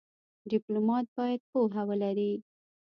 ډيپلومات باید پوهه ولري.